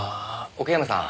奥山さん。